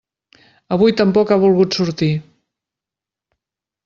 Avui tampoc ha volgut sortir.